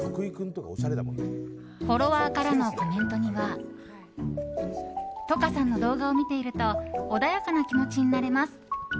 フォロワーからのコメントにはｔｏｋａさんの動画を見ていると穏やかな気持ちになれます。